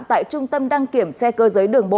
tại trung tâm đăng kiểm xe cơ giới đường bộ chín mươi chín